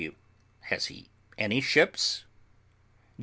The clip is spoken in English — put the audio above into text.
W. Has he any ships?